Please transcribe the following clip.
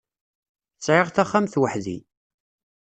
Sɛiɣ taxxamt weḥd-i.